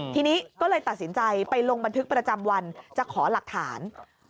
ทีนี้ก็เลยตัดสินใจไปลงบันทึกประจำวันจะขอหลักฐาน